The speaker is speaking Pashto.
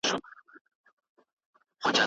چې دا شعر یې په پلیون کښل شوی دی.